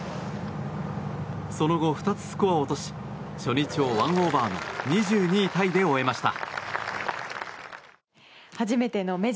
その後、２つスコアを落とし初日を１オーバーの２２位タイで終えました。